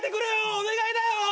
お願いだよ！